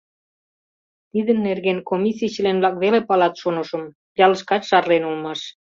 Тидын нерген комиссий член-влак веле палат, шонышым, ялышкат шарлен улмаш.